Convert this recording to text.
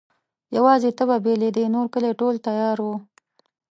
یواځي ته به بلېدې نورکلی ټول تیاره وو